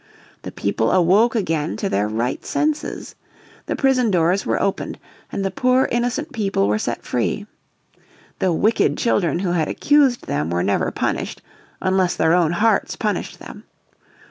The people awoke again to their right senses. The prison doors were opened and the poor innocent people were set free. The wicked children who had accused them were never punished unless their own hearts punished them.